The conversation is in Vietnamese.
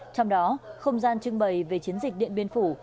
trong đó không gian trưng bày về chiến dịch điện biên phủ